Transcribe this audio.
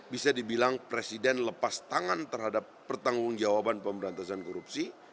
bisa dibilang presiden lepas tangan terhadap pertanggung jawaban pemberantasan korupsi